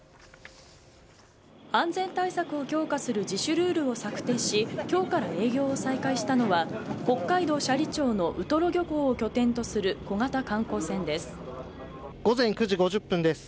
安全対策を強化する自主ルールを策定し今日から営業を再開したのは北海道斜里町のウトロ漁港を拠点とする午前９時５０分です。